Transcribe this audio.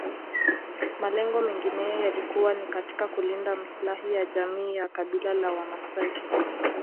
Malengo mengineyo yalikuwa ni katika kulinda maslahi ya jamii ya kabila la Wamaasai